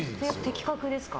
的確ですか？